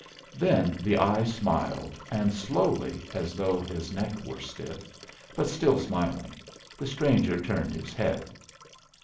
Then the eyes smiled, and slowly, as though his neck were stiff, but still smiling, the stranger turned his head.